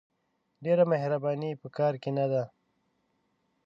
ډېره مهرباني په کار نه ده !